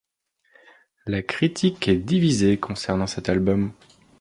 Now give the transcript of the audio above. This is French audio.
La critique est divisée concernant cet album.